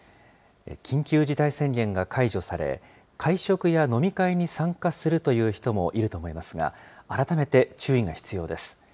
緊急事態宣言が解除され、会食や飲み会に参加するという人もいると思いますが、改めて注意が必要です。